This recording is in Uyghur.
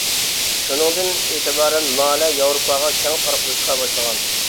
شۇنىڭدىن ئېتىبارەن لالە ياۋروپاغا كەڭ تارىلىشقا باشلىغان.